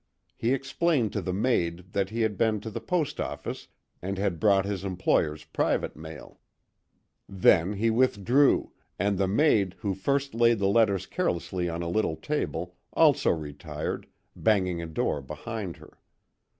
He explained to the maid that he had been to the post office and had brought his employer's private mail. Then he withdrew, and the maid, who first laid the letters carelessly on a little table, also retired, banging a door behind her.